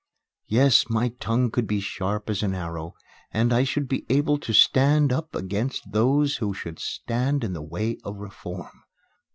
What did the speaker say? Yes, my tongue could be as sharp as an arrow, and I should be able to stand up against those who should stand in the way of reform.